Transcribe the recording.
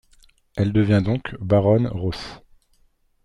Elle devient donc baronne Ros.